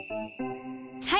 はい！